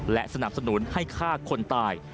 และสนับสนุนให้ฆ่าคนตาย